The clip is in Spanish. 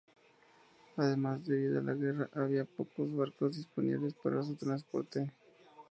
Además, debido a la guerra, había pocos barcos disponibles para su transporte.